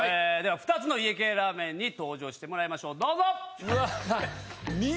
２つの家系ラーメンに登場してもらいましょうどうぞ。